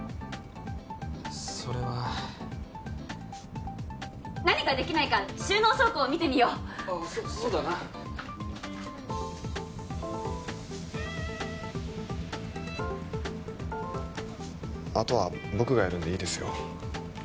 それは何かできないか収納倉庫を見てみようああそそうだなあとは僕がやるんでいいですよ